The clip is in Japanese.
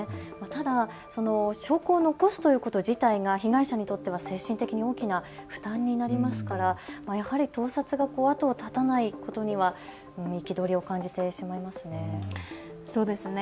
ただ、証拠を残すということ自体が被害者にとっては精神的に大きな負担になりますからやはり盗撮が後を絶たないことには憤りを感じてしまいますね。